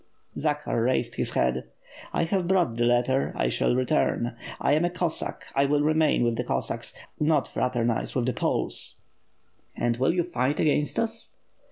Zakhar raised his head. "I have brought the letter, 1 shall return; I am a Cossack, I will remain with the Cossacks, not fraternize with the Poles." "And will you fight against us?"